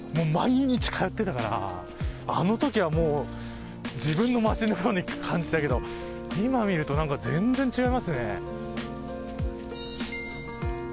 毎日通ってたからあのときはもう自分の街のように感じたけど今見ると何か全然違いますね。